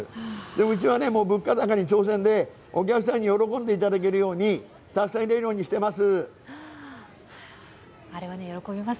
うちは物価高に挑戦でお客さんに喜んでいただけるようにたくさん入れるようにしています。